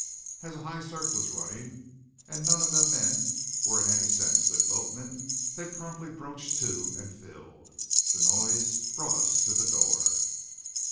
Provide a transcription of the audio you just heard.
As a high surf was running, and as none of the men were in any sense good boatmen, they promptly broached to and filled. The noise brought us to the door.